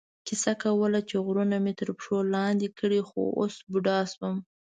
کیسه کوله چې غرونه مې تر پښو لاندې کړي، خو اوس بوډا شوم.